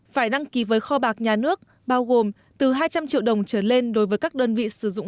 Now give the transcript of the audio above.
phải đăng ký với kho bạc nhà nước bao gồm từ hai trăm linh triệu đồng trở lên đối với các đơn vị sử dụng